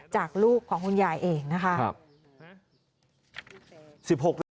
จากลูกของคุณยายเองนะคะนะครับสิบหกละ